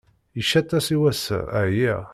Icaṭ-as i wassa, ɛyiɣ.